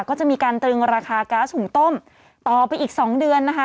ก็จะมีการตรึงราคาก๊าซหุ่งต้มต่อไปอีกสองเดือนนะคะ